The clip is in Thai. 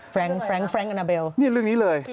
ฟรั้งฟรั้งฟรั้งก์อันาเบลนี่เรื่องนี้เลย